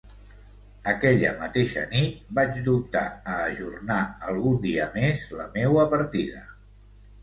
Aquella mateixa nit vaig dubtar a ajornar algun dia més la meua partida.